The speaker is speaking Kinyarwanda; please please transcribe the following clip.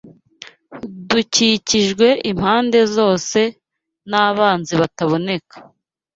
Dukikijwe impande zose n’abanzi bataboneka